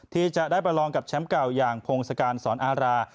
ที่จะได้ประลองกับแชมป์เก่าอย่างพงศการสอนอารา